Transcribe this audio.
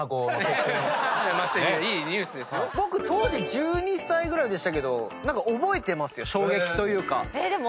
僕１２歳ぐらいでしたけど覚えてますよ衝撃というか。